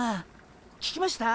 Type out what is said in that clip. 聞きました？